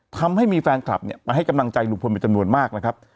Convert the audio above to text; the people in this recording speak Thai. ทำให้มีแฟนคลับเนี่ยมาให้กำลังใจลุงพลเป็นจำนวนมากนะครับ